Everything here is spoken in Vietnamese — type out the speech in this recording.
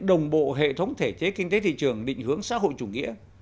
đồng bộ hệ thống thể chế kinh tế thị trường định hướng xã hội chủ nghĩa